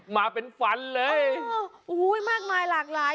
มาเป็นฟันเลยโอ้โหมากมายหลากหลาย